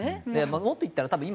もっと言ったら多分今。